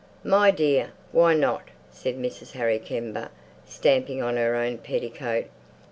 "My dear—why not?" said Mrs. Harry Kember, stamping on her own petticoat.